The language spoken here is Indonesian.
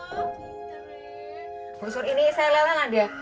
oh ini saya lelah dengan dia